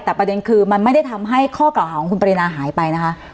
แต่ประเด็นคือมันไม่ได้ทำให้ข้อกล่าวหาของคุณปรินาหายไปนะคะ